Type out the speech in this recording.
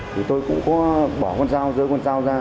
thì tôi cũng có bỏ con dao rơi con dao ra